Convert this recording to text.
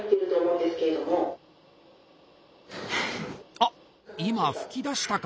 あっ今吹き出したか？